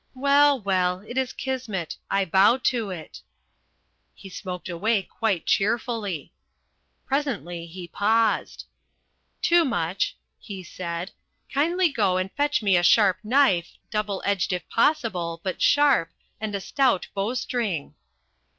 Well, well, it is Kismet. I bow to it." He smoked away quite cheerfully. Presently he paused. "Toomuch," he said, "kindly go and fetch me a sharp knife, double edged if possible, but sharp, and a stout bowstring."